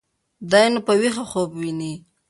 دى نو په ويښه خوب ويني.